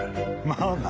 まあな。